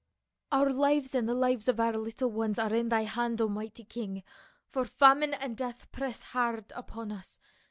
" Our lives and the lives of our little ones are in thy hand, O mighty king, for famine and death press hard upon us.